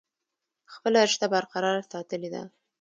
خپله رشته برقرار ساتلي ده ۔